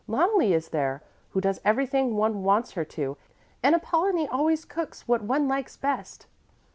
Loneli is there, who does everything one wants her to, and Apollonie always cooks what one likes best."